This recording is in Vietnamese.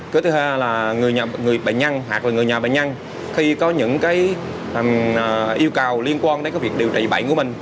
cái thứ hai là người bệnh nhân hoặc là người nhà bệnh nhân khi có những cái yêu cầu liên quan đến cái việc điều trị bệnh của mình